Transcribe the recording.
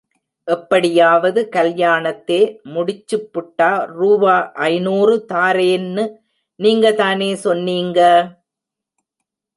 எப்படியாவது கல்யாணத்தே முடிச்சுப்புட்டா ரூவா ஐநூறு தாரென்னு நீங்கதானே சொன்னீங்க!